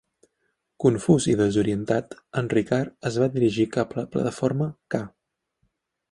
Confús i desorientat, en Ricard es va dirigir cap a la plataforma K.